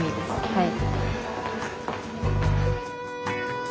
はい。